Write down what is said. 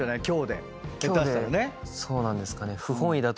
今日でそうなんですかね。